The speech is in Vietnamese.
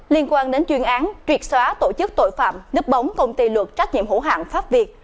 liên quan đến chuyên án triệt xóa tổ chức tội phạm nếp bóng công ty luật trách nhiệm hữu hạng pháp việt